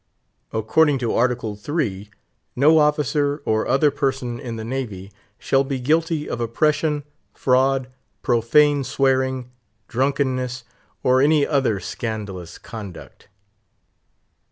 According to Article III., no officer, or other person in the Navy, shall be guilty of "oppression, fraud, profane swearing, drunkenness, or any other scandalous conduct."